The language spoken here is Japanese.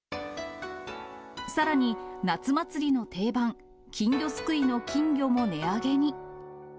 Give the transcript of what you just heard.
さらに、夏祭りの定番、金魚すくいの金魚も値上げに。